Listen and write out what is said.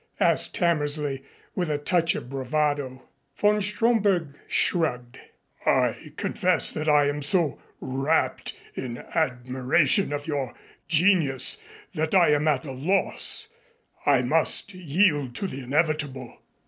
asked Hammersley with a touch of bravado. Von Stromberg shrugged. "I confess that I am so rapt in admiration of your genius that I am at a loss I must yield to the inevitable.